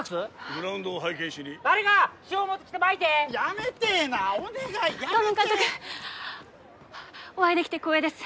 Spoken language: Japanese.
グラウンドを拝見しに誰か塩持ってきてまいてやめてえなお願いやめて賀門監督お会いできて光栄です